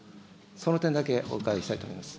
その点だけ、お伺いしたいと思います。